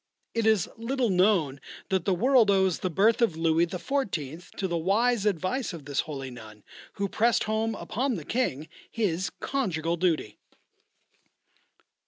It is little known that the world owes the birth of Louis XIV. to the wise advice of this holy nun, who pressed home upon the King his conjugal duty.